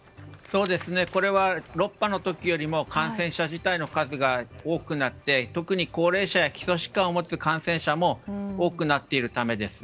これは６波の時よりも感染者自体の数が多くなって特に高齢者や基礎疾患を持つ感染者も多くなっているためです。